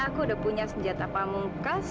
aku udah punya senjata pamungkas